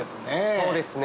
そうですね。